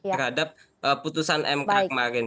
terhadap putusan mk kemarin